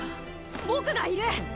僕がいる！